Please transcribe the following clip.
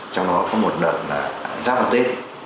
trong đó có một đợt là giáp vào tết